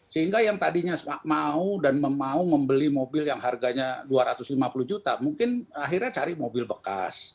sehingga yang tadinya mau dan mau membeli mobil yang harganya dua ratus lima puluh juta mungkin akhirnya cari mobil bekas